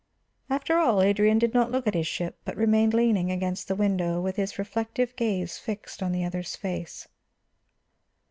After all Adrian did not look at his ship, but remained leaning against the window with his reflective gaze fixed on the other's face.